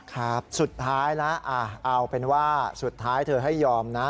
ครับสุดท้ายแล้วเอาเป็นว่าสุดท้ายเธอให้ยอมนะ